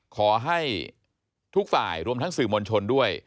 ขอให้ทุกฝ่ายรวมทั้งสื่อมวลชนด้วย